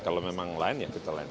kalau memang lain ya kita lain